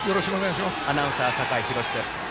アナウンサー、酒井博司です。